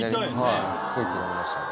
すごい気になりましたね。